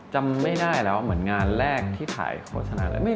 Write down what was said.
จำไม่ได้แล้วเหมือนงานแรกที่ถ่ายโฆษณาเลย